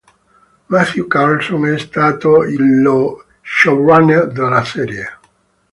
Matthew Carlson è stato lo showrunner della serie.